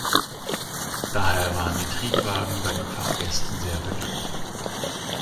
Daher waren die Triebwagen bei den Fahrgästen sehr beliebt.